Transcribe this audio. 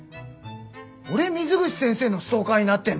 俺水口先生のストーカーになってんの？